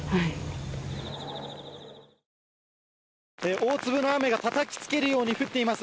大粒の雨がたたきつけるように降っています。